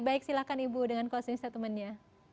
baik silakan ibu dengan closing statementnya